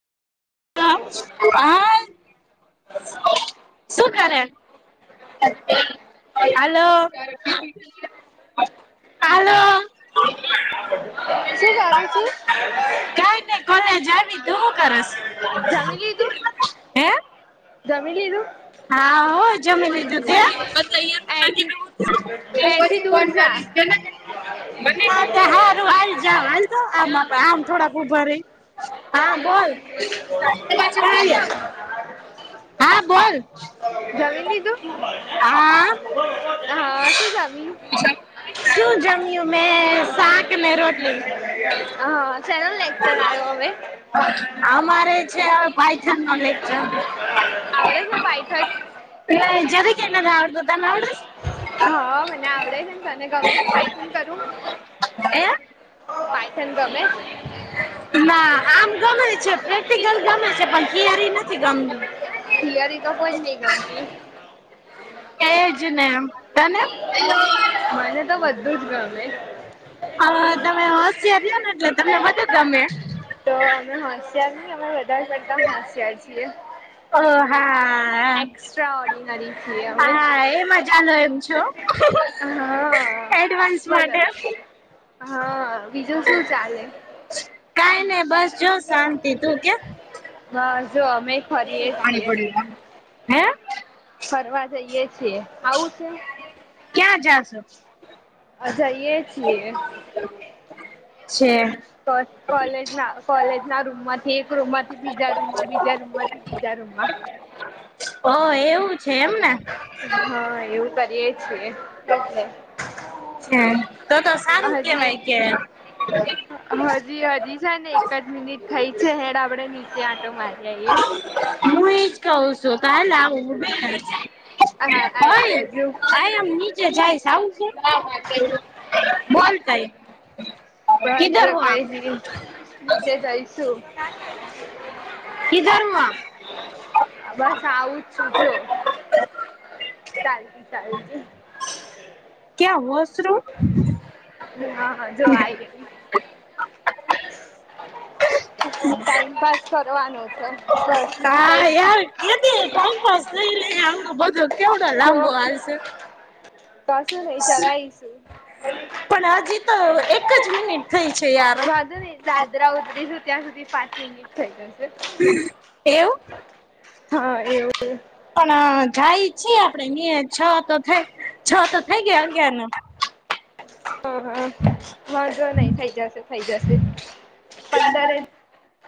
[inaudible] હા, શું કર? હાલો. હાલો શું કરું છું? જ્યાર ની તું હું કરસ? જમી લીધૂ હે? જમીલીધું હા હો જમી લીધું અહીંથી [unintelligible] અહીંથી પછી દૂર ફોન જા. કરીશ. હારું હાલ જા વાંધો આ આમ બાપા થોડાક ઉભ રઈ હા બોલ [unintelligible] હા બોલ [inaudible] જમી લીધું હા. હઅ શું જમી? શું જમ્યું મેં શાક ને રોટલી. હ શેલો લેક્ચર આયો હવે. અમારે છે હવે પાયથન નો લેકચર આવડે છે પાયથન? [inaudible] જરીકે નઈ તન [inaudible] નાવડે હા, મને આવડે છે ને તને ગમે છે પાયથન કરવું? હે? પાયથન ગમે છ? ના આમ ગમે છે પ્રેક્ટિકલ ગમે છે પણ થિઅરી નથી ગમતું થીયરી ત કોઈ નહી ગમતી એજ ને તને હેલો મને તો બધું જ ગમે હ તમે હોશિયાર ને જો તમને બધું ગમે. તો અમે હોશિયાર ની અમે વધારે પડતા હોશિયાર છીએ. ઓ હા એક્સ્ટ્રા ઓર્ડિનરી છીએ અમે. હા એ મજાનો એમ છો હા. [inaudible] એડવાન્સ બોલો. માટે હા, બીજું શું ચાલે? [unintelligible] ને બસ જો શાંતિ તું કે બસ જો અમે ફરીએ પાણી છીએ પડ્યું લાવને હે ફરવા જઈએ છીએ, આઉ છે? ક્યા જાશો? અ જઈએ છીએ. છે. કોલેજ ના કોલેજ ના રૂમ માંથી એક રૂમ માંથી બીજા રૂમમાં બીજા રૂમ માંથી તીજા રૂમાં હ એવું છે એમને. હ એવું કરી એ છીએ એટલે છે તો તો સારું હજી કેવાય કે હજી હજી છે ને એક જ મિનિટ થઈ છે હેડ આપડે નીચે આંટો મારી આઈએ હું એજ કઉ છું હાલ [unintelligible] હએ હા આયા આય બાજુ આમની જાય છે આવું છે, બોલ તઈ બસ કિધર હો આપ? કઈ નહી નીચે જઈશું. કીધરમ બસ આવું જ છું જો. ચાલજે ચાલજે. ક્યાં હોસરું? હા હા જો આઈ ગઈ. ટાઈમ પાસ કરવાનો છે બસ [unintelligible] બીજું હા કઈ નહી યાર એટલે જ ને ટાઈમપાસ. નઈ રે આવડો બધો કેવડો તો લાંબો હાલશે. કશું નઈ ચલાઈશ. [unintelligible] પણ હજી તો એક જ મિનિટ થઈ છે યાર. વાંધો નહી દાદરા ઉતરીશું ત્યાં સુધી પાંચ મિનિટ થઈ જશે. એવું? હા, એવું. પણ જાય છીએ આપડે ન્યા છ તો થઈ છ તો થઈ ગયા અગયારનો. હ હ વાંધો નહીં થઈ જશે થઈ જશે પંદરે